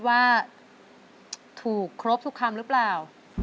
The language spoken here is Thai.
ในใจของคุณอุเทรนคิดว่าถูกครบทุกคำหรือเปล่า